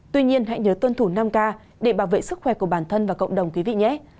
tuy nhiên hãy nhớ tuân thủ năm k để bảo vệ sức khỏe của bản thân và cộng đồng quý vị nhé